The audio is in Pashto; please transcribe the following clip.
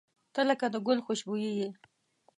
• ته لکه د ګل خوشبويي یې.